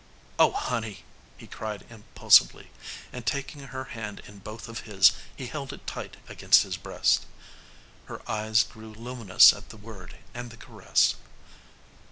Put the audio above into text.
"Oh, Honey!" he cried impulsively, and taking her hand in both of his he held it tight against his breast. Her eyes grew luminous at the word and the caress.